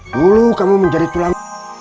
mulu kamu menjadi tulang